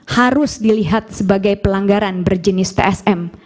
harus dilihat sebagai pelanggaran berjenis psm